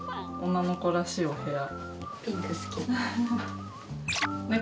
女の子らしいお部屋。